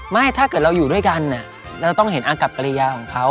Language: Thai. ถ้าเกิดเราอยู่ด้วยกันเราต้องเห็นอากับกริยาของเขา